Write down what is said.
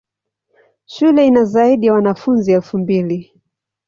Shule ina zaidi ya wanafunzi elfu mbili.